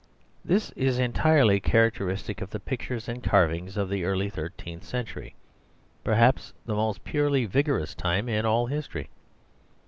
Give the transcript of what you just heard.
This is entirely characteristic of the pictures and carvings of the early thirteenth century, perhaps the most purely vigorous time in all history.